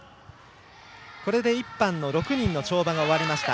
これで１班の６人の跳馬が終わりました。